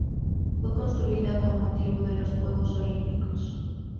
Fue construida con motivo de los Juegos Olímpicos.